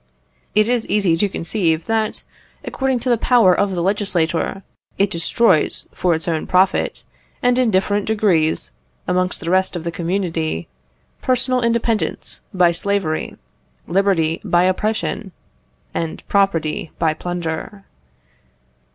It is easy to conceive that, according to the power of the legislator, it destroys for its own profit, and in different degrees, amongst the rest of the community, personal independence by slavery, liberty by oppression, and property by plunder.